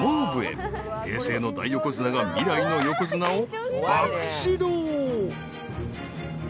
［平成の大横綱が未来の横綱を爆指導］